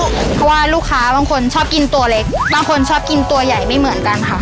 เพราะว่าลูกค้าบางคนชอบกินตัวเล็กบางคนชอบกินตัวใหญ่ไม่เหมือนกันค่ะ